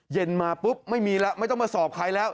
เย็นมาปุ๊บไม่มีแล้วไม่ต้องมาสอบใครแล้ว